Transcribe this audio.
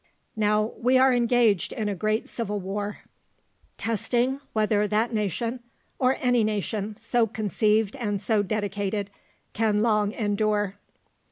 Now we are engaged in a great civil war, testing whether that nation, or any nation so conceived and so dedicated, can long endure.